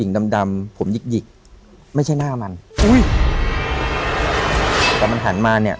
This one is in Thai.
แต่มันหันมาเนี่ย